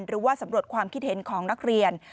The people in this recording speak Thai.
หรือว่าสำรวจความคิดเห็นของนักเรียน